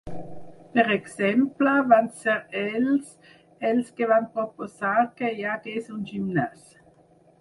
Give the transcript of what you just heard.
Per exemple, van ser ells els que van proposar que hi hagués un gimnàs.